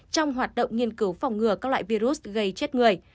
trong hoạt động nghiên cứu phòng ngừa các loại virus gây chết người